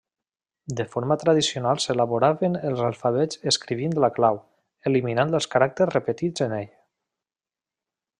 De forma tradicional s'elaboraven els alfabets escrivint la clau, eliminant els caràcters repetits en ell.